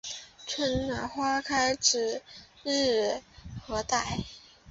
春暖花开指日可待